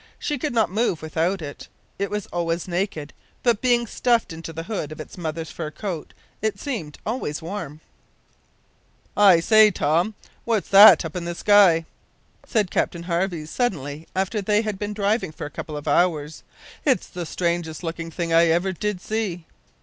She could not move without it! It was always naked, but being stuffed into the hood of its mother's fur coat, it seemed always warm. "I say, Tom, what's that up in the sky?" said Captain Harvey suddenly, after they had been driving for a couple of hours. "It's the strangest looking thing I ever did see."